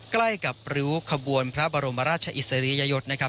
ใกล้กับริ้วขบวนพระบรมราชอิสริยยศนะครับ